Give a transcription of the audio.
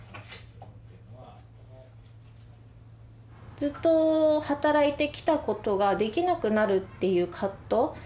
ずっと働いてきたことができなくなるっていう葛藤。